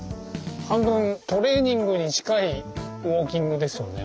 半分トレーニングに近いウォーキングですよね